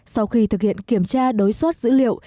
sau khi thực hiện kiểm tra đối soát dữ liệu